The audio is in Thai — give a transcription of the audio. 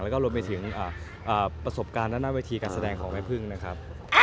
แล้วก็รวมไปถึงประสบการณ์ด้านหน้าเวทีการแสดงของแม่พึ่งนะครับ